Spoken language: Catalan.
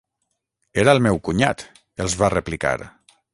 Era el meu cunyat! –els va replicar–.